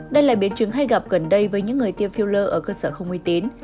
đây là biến chứng hay gặp gần đây với những người tiêm filler ở cơ sở không uy tín